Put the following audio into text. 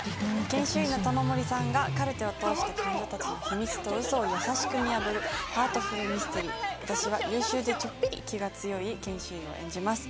研修医のさんが、カルテを通して、患者たちの秘密とうそを優しく見破るハートフルミステリー、私は優秀でちょっと気の強い研修医を演じます。